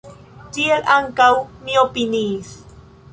Tiel ankaŭ mi opiniis.